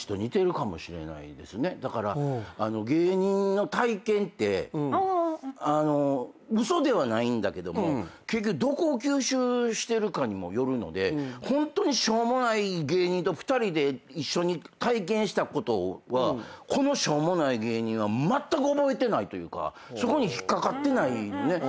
芸人の体験って嘘ではないんだけども結局どこを吸収してるかにもよるのでホントにしょうもない芸人と２人で一緒に体験したことはこのしょうもない芸人はまったく覚えてないというかそこに引っ掛かってないのね。